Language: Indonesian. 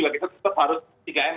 kita juga tetap harus tiga m atau lima m